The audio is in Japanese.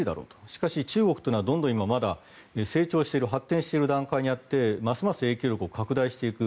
しかし、中国は成長している発展している段階にあってますます影響力を拡大していく。